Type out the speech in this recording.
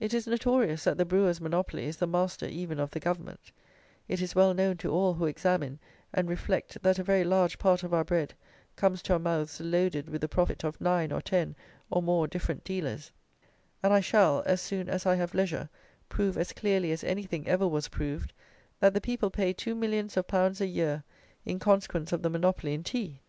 It is notorious that the brewer's monopoly is the master even of the Government; it is well known to all who examine and reflect that a very large part of our bread comes to our mouths loaded with the profit of nine or ten, or more, different dealers; and I shall, as soon as I have leisure, prove as clearly as anything ever was proved, that the people pay two millions of pounds a year in consequence of the Monopoly in tea!